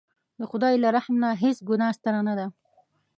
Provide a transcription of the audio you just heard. د خدای له رحم نه هېڅ ګناه ستره نه ده.